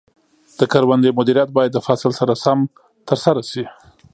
د کروندې مدیریت باید د فصل سره سم ترسره شي.